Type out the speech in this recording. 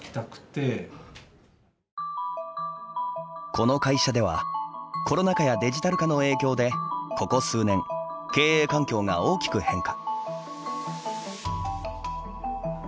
この会社ではコロナ禍やデジタル化の影響でここ数年経営環境が大きく変化。